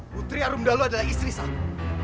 putri arum dalu adalah istri saya